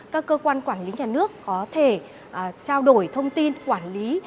các cơ quan quản lý nhà nước có thể trao đổi thông tin quản lý